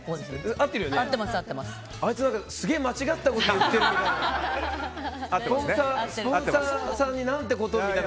あいつ、すげえ間違ったこと言ってるみたいな。